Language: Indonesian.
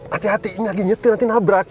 hati hati ini lagi nyetir nanti nabrak